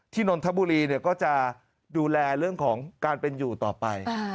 นนทบุรีก็จะดูแลเรื่องของการเป็นอยู่ต่อไป